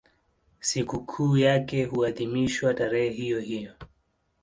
Sikukuu yake huadhimishwa tarehe hiyohiyo.